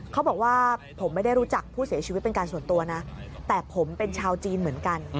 เขาบอกว่าผมไม่ได้รู้จักผู้เสียชีวิตเป็นการส่วนตัวนะแต่ผมเป็นชาวจีนเหมือนกัน